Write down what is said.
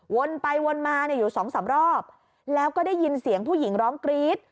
วนไปวนมาเนี่ยอยู่สองสามรอบแล้วก็ได้ยินเสียงผู้หญิงร้องกรี๊ด